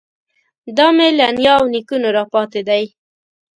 دا مې له نیا او نیکونو راپاتې دی.